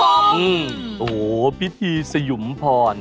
โอ้โฮพิธีสยุมผ่อน